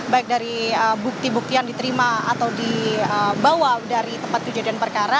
baik dari bukti bukti yang diterima atau dibawa dari tempat kejadian perkara